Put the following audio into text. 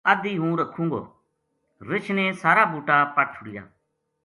ادھی ہوں رکھوں گو "رچھ نے سارا بوٹا پَٹ چھڑیا